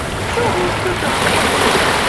— Чого б то так?